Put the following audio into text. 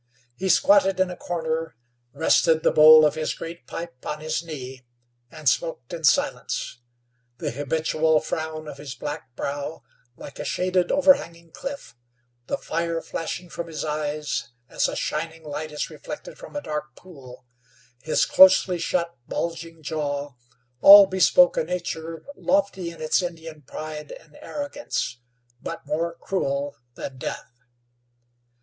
He squatted in a corner, rested the bowl of his great pipe on his knee, and smoked in silence. The habitual frown of his black brow, like a shaded, overhanging cliff; the fire flashing from his eyes, as a shining light is reflected from a dark pool; his closely shut, bulging jaw, all bespoke a nature, lofty in its Indian pride and arrogance, but more cruel than death.